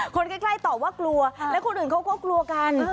คนใกล้ตอบว่ากลัวและคนอื่นเขาก็กลัวกัน